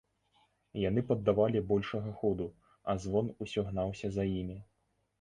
Яны паддавалі большага ходу, а звон ўсё гнаўся за імі.